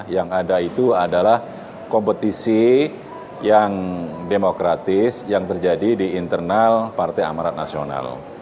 yang ada itu adalah kompetisi yang demokratis yang terjadi di internal partai amarat nasional